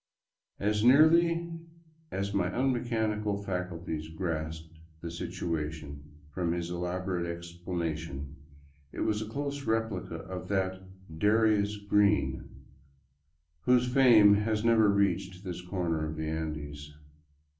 As nearly as my unmechanical faculties grasped the situation from his elaborate explanation, it was a close replica of that of " Darius Green," whose fame has never reached this corner of the Andes.